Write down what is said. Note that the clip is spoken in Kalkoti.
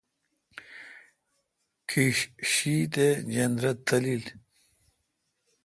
کیش شیی تھ جندر تالیل۔